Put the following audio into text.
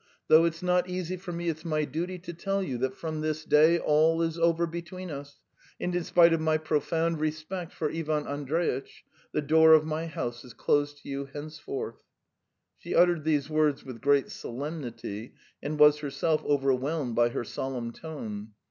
Though it's not easy for me, it's my duty to tell you that from this day all is over between us, and, in spite of my profound respect for Ivan Andreitch, the door of my house is closed to you henceforth." She uttered these words with great solemnity and was herself overwhelmed by her solemn tone.